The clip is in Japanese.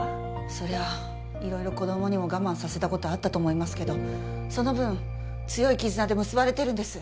そりゃ色々子供にも我慢させたことあったと思いますけどその分強い絆で結ばれてるんです。